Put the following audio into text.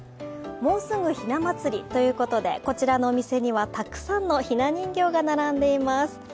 もうすぐ、ひな祭りということで、こちらのお店にはたくさんのひな人形が並んでいます。